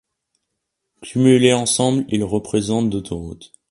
Cumulés ensemble ils représentent d'autoroutes.